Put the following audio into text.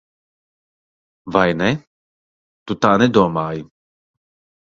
Vai ne? Tu tā nedomāji.